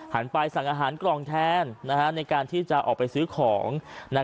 ไปสั่งอาหารกล่องแทนในการที่จะออกไปซื้อของ